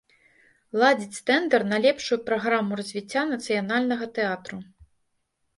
Ладзіць тэндар на лепшую праграму развіцця нацыянальнага тэатру.